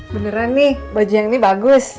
beneran nih baju yang ini bagus